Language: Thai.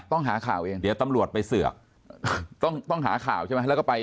ต้องหาข่าวเองเดี๋ยวตำรวจไปเสือกต้องหาข่าวใช่ไหมแล้วก็ไป